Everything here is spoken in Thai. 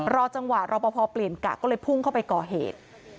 รอจังหวะรอปภเปลี่ยนกะก็เลยพุ่งเข้าไปก่อเหตุ